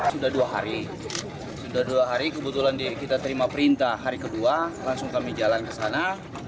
sudah dua hari kebetulan kita terima perintah hari kedua langsung kami jalan ke sana